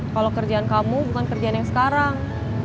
kalau kerjaan kamu bukan kerjaan yang sekarang